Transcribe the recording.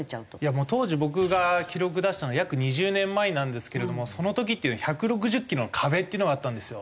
当時僕が記録出したの約２０年前なんですけれどもその時っていうのは１６０キロの壁っていうのがあったんですよ。